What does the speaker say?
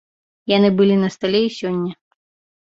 Яны былі на стале і сёння.